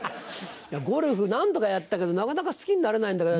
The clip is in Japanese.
ゴルフ何度かやったけどなかなか好きになれないんだけど。